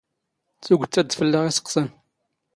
ⵜⵓⴳⵜ ⴰⴷ ⴷ ⴼⵍⵍⴰⵖ ⵉⵙⵇⵙⴰⵏ.